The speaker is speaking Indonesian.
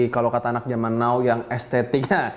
kalau kata anak jaman now yang estetiknya